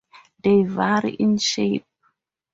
They vary in shape.